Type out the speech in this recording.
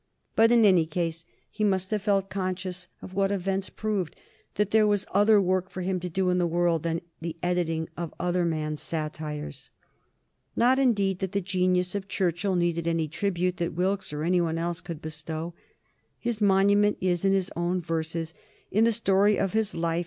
But in any case he must have felt conscious of what events proved, that there was other work for him to do in the world than the editing of other men's satires. Not, indeed, that the genius of Churchill needed any tribute that Wilkes or any one else could bestow. His monument is in his own verses, in the story of his life.